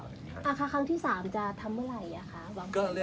ครั้งที่สามจะทำอะไรอ่ะคะ